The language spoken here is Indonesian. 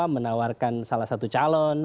menawarkan salah satu calon